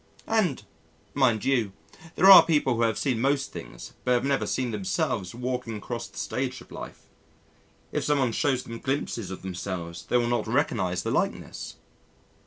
And, mind you, there are people who have seen most things but have never seen themselves walking across the stage of life. If someone shows them glimpses of themselves they will not recognise the likeness.